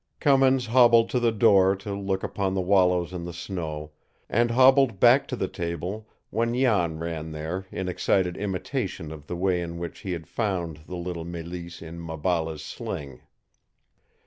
Cummins hobbled to the door to look upon the wallows in the snow, and hobbled back to the table when Jan ran there in excited imitation of the way in which he had found the little Mélisse in Maballa's sling.